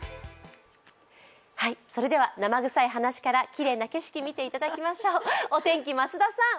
それでは生臭い話からきれいな景色見ていきましょう。